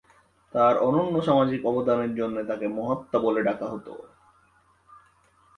তার অনন্য সামাজিক অবদানের জন্যে তাকে মহাত্মা বলে ডাকা হত।